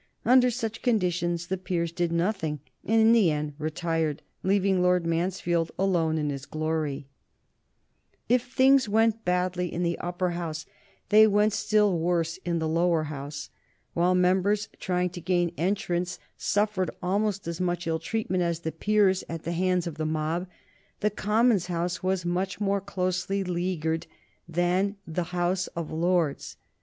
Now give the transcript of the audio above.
Under such conditions the Peers did nothing, and in the end retired, leaving Lord Mansfield alone in his glory. [Sidenote: 1780 Lord George Gordon at Westminster] If things went badly in the Upper House, they went still worse in the Lower House. While members trying to gain entrance suffered almost as much ill treatment as the Peers at the hands of the mob, the Commons' House was much more closely leaguered than the House of Lords.